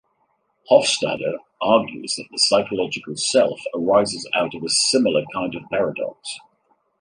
Hofstadter argues that the psychological self arises out of a similar kind of paradox.